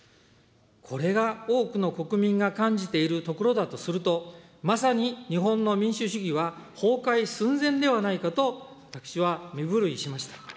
これが多くの国民が感じているところだとすると、まさに日本の民主主義は崩壊寸前ではないかと私は身震いしました。